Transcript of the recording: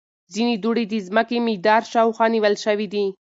ځینې دوړې د ځمکې مدار شاوخوا نیول شوې وي.